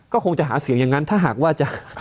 ก็คงจะหาเสียงอย่างนั้นถ้าหากว่าจะ